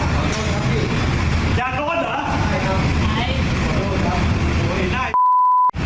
ก่อนหน้านี้เดี๋ยวมันกลัวไป